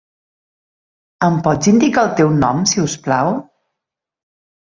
Em pots indicar el teu nom, si us plau?